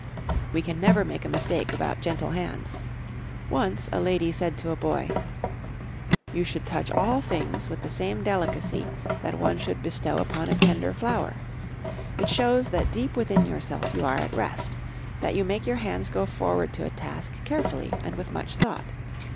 We can never make a mistake about gentle hands. Once a lady said to a boy: "You should touch all things with the same delicacy that one should bestow upon a tender flower. It shows that deep within yourself you are at rest, that you make your hands go forward to a task carefully and with much thought.